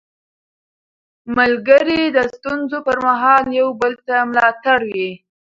ملګري د ستونزو پر مهال یو بل ته ملا تړ وي